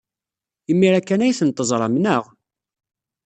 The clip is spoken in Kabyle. Imir-a kan ay tent-teẓram, naɣ?